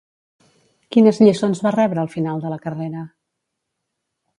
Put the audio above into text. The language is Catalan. Quines lliçons va rebre al final de la carrera?